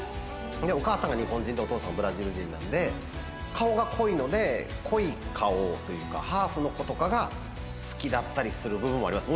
お母さんが日本人でお父さんはブラジル人なんで顔が濃いので濃い顔というかハーフの子とかが好きだったりする部分もあります。